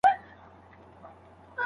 شاه عباس دا ښار له جهانګیر څخه ونیوی.